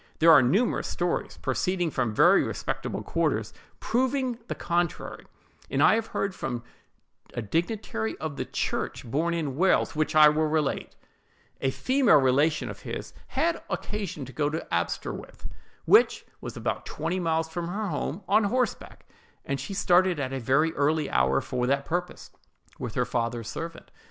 There are numerous stories, proceeding from very respectable quarters, proving the contrary; and I have heard two from a dignitary of the church, born in Wales, which I will relate:— A female relation of his had occasion to go to Aberystwith, which was about twenty miles from her home, on horseback; and she started at a very early hour for that purpose, with her father's servant.